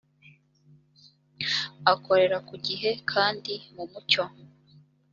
akorera ku gihe kandi mu mucyo